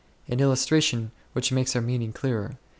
An illustration will make our meaning clearer.